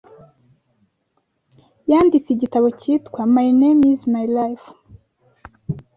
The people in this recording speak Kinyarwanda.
yanditse igitabo cyitwa my name is life